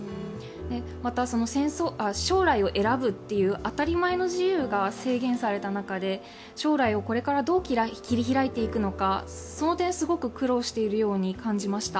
また将来を選ぶという当たり前の自由が制限された中で将来をこれからどう切り開いていくのか、その点すごく苦労しているように感じました。